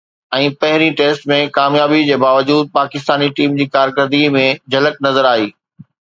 ۽ پهرين ٽيسٽ ۾ ڪاميابي جي باوجود پاڪستاني ٽيم جي ڪارڪردگيءَ ۾ جھلڪ نظر آئي